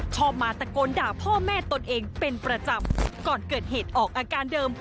มาตะโกนด่าพ่อแม่ตนเองเป็นประจำก่อนเกิดเหตุออกอาการเดิม